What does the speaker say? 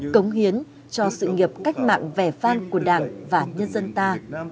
cống hiến cho sự nghiệp cách mạng vẻ vang của đảng và nhân dân ta